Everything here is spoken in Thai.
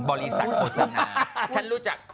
แม่คุณ